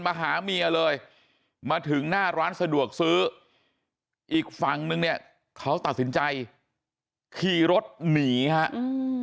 มาหาเมียเลยมาถึงหน้าร้านสะดวกซื้ออีกฝั่งนึงเนี่ยเขาตัดสินใจขี่รถหนีฮะอืม